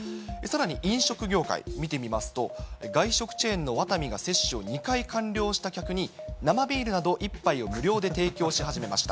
さらに、飲食業界見てみますと、外食チェーンのワタミが接種を２回完了した客に、生ビールなど、１杯を無料で提供し始めました。